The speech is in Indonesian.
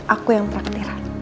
aku yang praktir